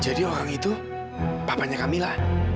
jadi orang itu papanya kamila